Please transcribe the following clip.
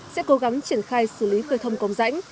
sẽ cố gắng triển khai xử lý cây thông cống rãnh